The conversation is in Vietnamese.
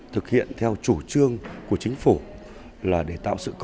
thực hiện theo chủ trương của chính phủ